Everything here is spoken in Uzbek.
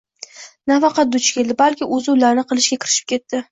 Nafaqat duch keldi, balki o‘zi ularni qilishga kirishib ketdi.